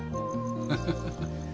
ハハハハ。